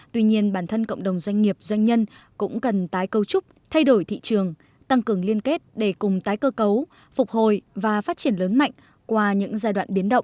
tuy nhiên bản thân cộng đồng doanh nghiệp doanh nhân cũng cần tái cấu trúc thay đổi thị trường tăng cường liên kết để cùng tái cơ cấu phục hồi và phát triển lớn mạnh qua những giai đoạn biến động